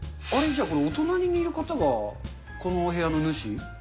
じゃあ、お隣にいる方がこのお部屋の主？